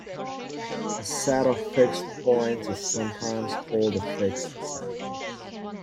A set of fixed points is sometimes called a "fixed set".